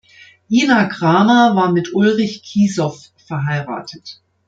Ina Kramer war mit Ulrich Kiesow verheiratet.